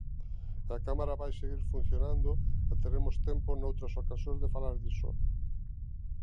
E a Cámara vai seguir funcionando e teremos tempo noutras ocasións de falar diso.